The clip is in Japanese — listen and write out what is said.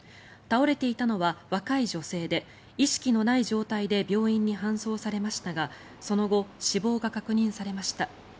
倒れていたのは若い女性で意識のない状態で病院に搬送されましたがその後、死亡が確認されました。